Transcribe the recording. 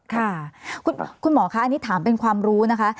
ค่ะคุณหมอคะอันนี้ถามเป็นความรู้นะคะ